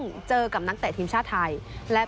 ขออนุญาตให้คนในชาติรักกัน